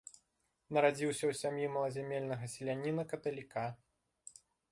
Нарадзіўся ў сям'і малазямельнага селяніна-каталіка.